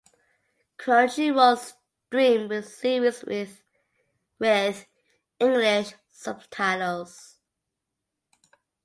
Crunchyroll streamed the series with English subtitles.